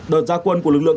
đợt gia quân của lực lượng